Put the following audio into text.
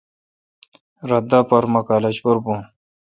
رل دا پتا مہ کالج پر بھون